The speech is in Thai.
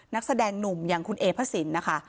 นักแสดงหนุ่มอย่างคุณเอพระสินนะคะ